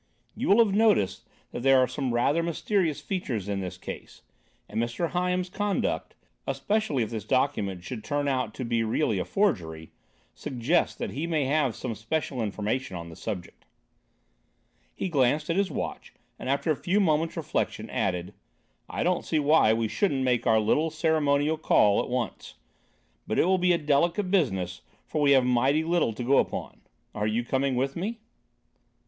You will have noticed that there are some rather mysterious features in this case, and Mr. Hyams's conduct, especially if this document should turn out to be really a forgery, suggests that he may have some special information on the subject." He glanced at his watch and, after a few moments' reflection, added: "I don't see why we shouldn't make our little ceremonial call at once. But it will be a delicate business, for we have mighty little to go upon. Are you coming with me?"